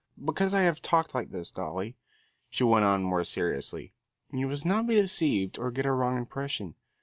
Because I have talked like this, Dolly," she went on more seriously, "you must not be deceived or get a wrong impression.